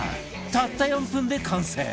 たった４分で完成